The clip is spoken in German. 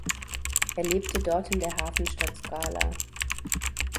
Er lebte dort in der Hafenstadt Skala.